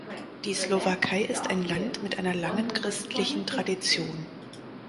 Die Slowakei ist ein Land mit einer langen christlichen Tradition.